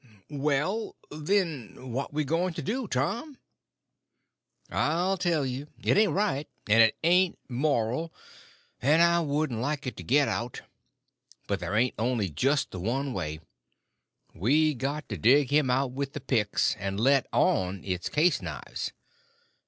"Well, then, what we going to do, Tom?" "I'll tell you. It ain't right, and it ain't moral, and I wouldn't like it to get out; but there ain't only just the one way: we got to dig him out with the picks, and let on it's case knives."